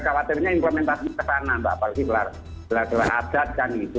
khawatirnya implementasi kesanan apalagi gelar gelar adat dan gitu